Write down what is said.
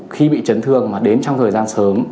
khi bị chấn thương mà đến trong thời gian sớm